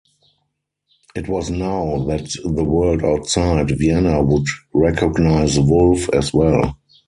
It was now that the world outside Vienna would recognize Wolf as well.